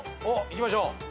おっいきましょう。